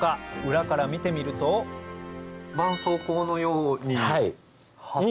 裏から見てみるとばんそうこうのように貼って。